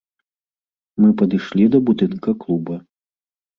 Мы падышлі да будынка клуба.